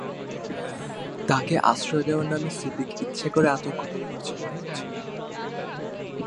তাঁকে আশ্রয় দেওয়ার নামে সিদ্দিক ইচ্ছে করে আতঙ্ক তৈরি করছে মনে হচ্ছে।